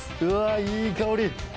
うわっいい香り。